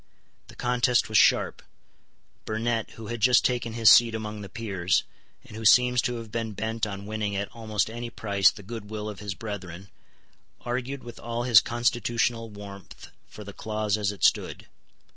The contest was sharp. Burnet, who had just taken his seat among the peers, and who seems to have been bent on winning at almost any price the good will of his brethren, argued with all his constitutional warmth for the clause as it stood.